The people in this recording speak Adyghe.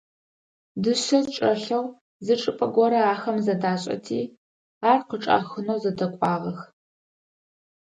Дышъэ чӀэлъэу зы чӀыпӀэ горэ ахэм зэдашӀэти, ар къычӀахынэу зэдэкӀуагъэх.